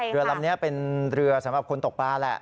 เรือลำนี้เป็นเรือสำหรับคนตกปลาแหละ